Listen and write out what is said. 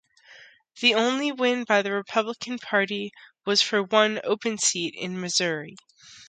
The only win by the Republican Party was for one "open seat" in Missouri.